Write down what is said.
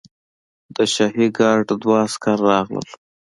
د شاهي ګارډ دوه عسکر راغلل.